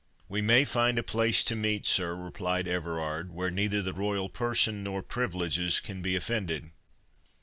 "We may find a place to meet, sir," replied Everard, "where neither the royal person nor privileges can be offended."